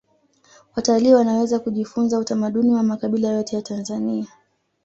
watalii wanaweza kujifunza utamaduni wa makabila yote ya tanzania